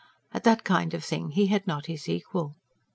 At that kind of thing, he had not his equal.